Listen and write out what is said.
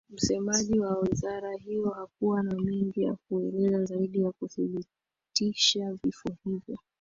msemaji wa wizara hiyo hakuwa na mengi ya kuelezea zaidi ya kuthibitisha vifo hivyo